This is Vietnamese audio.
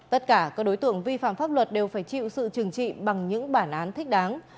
tất cả các đối tượng vi phạm pháp luật đều phải chịu sự trừng trị bằng những bản án thích đáng